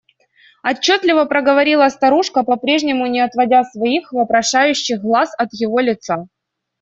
Отчетливо проговорила старушка, по-прежнему не отводя своих вопрошающих глаз от его лица.